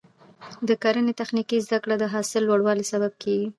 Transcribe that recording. د کرنې تخنیکي زده کړه د حاصل لوړوالي سبب کېږي.